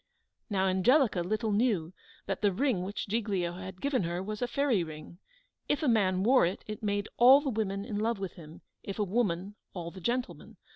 Now Angelica little knew that the ring which Giglio had given her was a fairy ring; if a man wore it, it made all the women in love with him; if a woman, all the gentlemen.